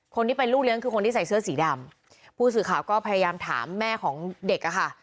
คนที่เป็นลูกเลี้ยงคือคนที่ใส่เสื้อสีดำผู้สื่อข่าวก็พยายามถามแม่ของเด็กอะค่ะ